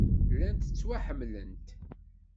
Llant ttwaḥemmlent.